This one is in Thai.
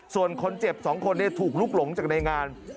ส่วนคนเจ็บ๒คนถูกลุกหลงจากในงาน